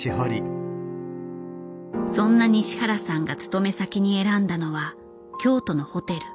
そんな西原さんが勤め先に選んだのは京都のホテル。